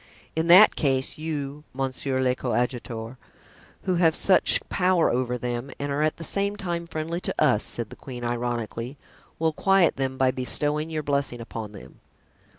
"In that case, you, monsieur le coadjuteur, who have such power over them and are at the same time friendly to us," said the queen, ironically, "will quiet them by bestowing your blessing upon them."